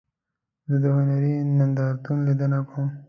زه د هنري نندارتون لیدنه کوم.